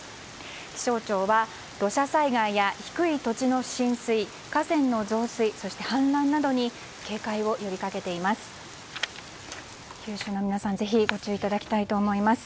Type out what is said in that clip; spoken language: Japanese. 気象庁は土砂災害や低い土地の浸水河川の増水・氾濫などに警戒を呼びかけています。